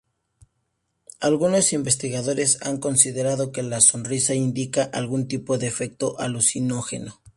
Algunos investigadores han considerado que la sonrisa indica algún tipo de efecto alucinógeno.